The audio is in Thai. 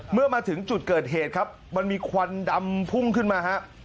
เมื่อมาถึงจุดเกิดเหตุครับมันมีควันดำพุ่งขึ้นมาฮะ